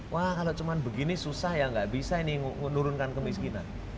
wah kalau cuma begini susah ya nggak bisa ini menurunkan kemiskinan